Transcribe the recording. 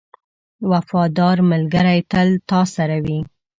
• وفادار ملګری تل تا سره وي.